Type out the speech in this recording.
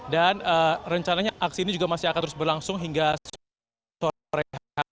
dan rencananya aksi ini juga masih akan terus berlangsung hingga sore